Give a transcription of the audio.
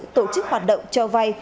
tổ chức hoạt động cho vay